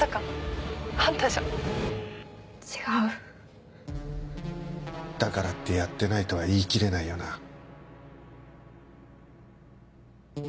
違うだからってやってないとは言い切れないよな？